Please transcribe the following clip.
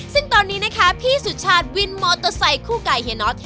ซึ่งตอนนี้นะคะพี่สุชาติวินมอเตอร์ไซคู่ไก่เฮียน็อต